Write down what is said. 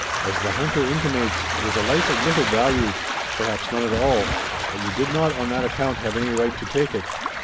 "As the hunter intimates, it is a life of little value, perhaps none at all, but you did not on that account have any right to take it.